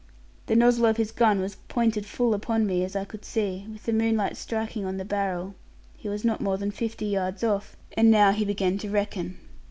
The nozzle of his gun was pointed full upon me, as I could see, with the moonlight striking on the barrel; he was not more than fifty yards off, and now he began to reckon.